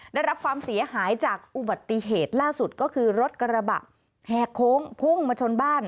ได้รับความเสียหายจากอุบัติเหตุล่าสุดก็คือรถกระบะแหกโค้งพุ่งมาชนบ้าน